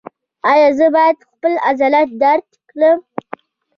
ایا زه باید خپل عضلات درد کړم؟